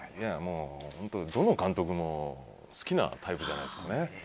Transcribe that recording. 本当にどの監督も好きなタイプじゃないですかね。